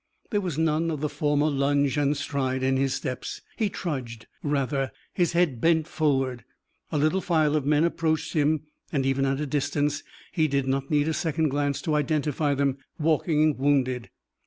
There was none of the former lunge and stride in his steps. He trudged, rather, his head bent forward. A little file of men approached him, and, even at a distance, he did not need a second glance to identify them. Walking wounded.